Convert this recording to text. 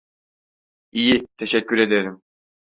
İyi, teşekkür ederim.